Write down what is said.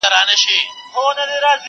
چي « غلي انقلاب » ته یې زلمي هوښیاروله،